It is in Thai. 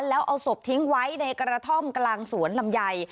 แล้วเอาศพทิ้งไว้ในกระท่อมกลางสวนลำไย